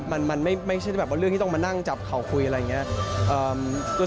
มันไม่ใช่แบบว่าเรื่องที่ต้องมานั่งจับเข่าคุยอะไรอย่างนี้